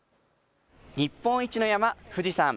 日本一の山、富士山。